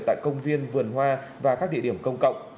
tại công viên vườn hoa và các địa điểm công cộng